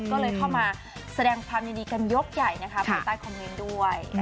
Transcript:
ก็เลยเข้ามาแสดงความยินดีกันยกใหญ่นะคะภายใต้คอมเมนต์ด้วย